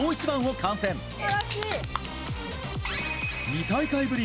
２大会ぶり